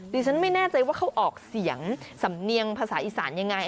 ดิฉันไม่แน่ใจว่าเขาออกเสียงสำเนียงภาษาอีสานยังไง